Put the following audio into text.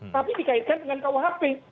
tapi dikaitkan dengan kuhp